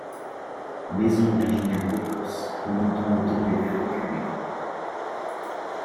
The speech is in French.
Maison originaire d'Écosse remontant aux temps les plus reculés.